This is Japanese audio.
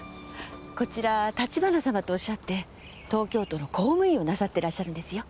こちら立花様とおっしゃって東京都の公務員をなさってらっしゃるんですよ。